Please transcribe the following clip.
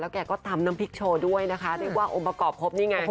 แกก็ตำน้ำพริกโชว์ด้วยนะคะเรียกว่าองค์ประกอบครบนี่ไง